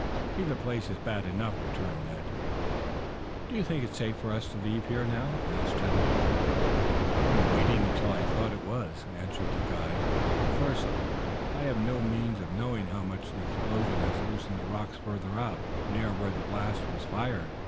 "Either place is bad enough," returned Ned. "Do you think it safe for us to leave here now?" asked Tad. "I have been waiting until I thought it was," answered the guide. "Of course, I have no means of knowing how much the explosion has loosened the rocks further out, near where the blast was fired."